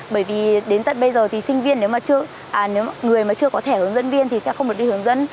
bởi vì đến tận bây giờ thì sinh viên nếu mà người mà chưa có thẻ hướng dẫn viên thì sẽ không được đi hướng dẫn